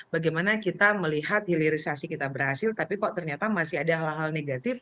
bagaimana kita melihat hilirisasi kita berhasil tapi kok ternyata masih ada hal hal negatif